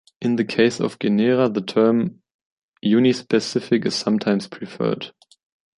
In the case of genera, the term "unispecific" is sometimes preferred.